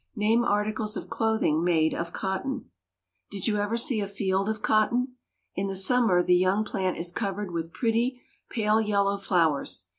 Name articles of clothing made of cotton. Did you ever see a field of cotton? In the summer the young plant is covered with pretty, pale yellow flowers.